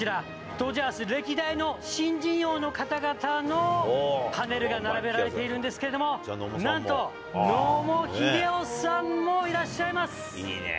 ドジャース歴代の新人王の方々のパネルが並べられているんですけれども、なんと野茂英雄さんもいらっしゃいます。